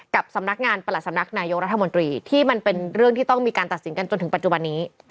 กับสำนักงานประหลัดสำนักนายกรัฐมนตรีที่มันเป็นเรื่องที่ต้องมีการตัดสินกันจนถึงปัจจุบันนี้